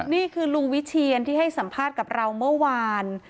นี่คือลุงวิเชียนที่ให้สัมภาษณ์กับเราเมื่อวาน